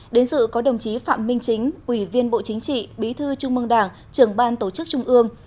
đến dự có đồng chí phạm minh chính ủy viên bộ chính trị bí thư trung mương đảng trưởng ban tổ chức trung ương